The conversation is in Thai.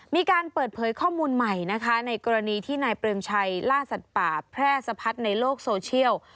มีการเปิดเผยข้อมูลใหม่นะคะในกรณีที่นายเปรมชัยล่าสัตว์ป่าแพร่สะพัดในโลกโซเชียล